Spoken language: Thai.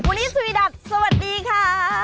บุริสุ฀ิดักษ์สวัสดีค่ะ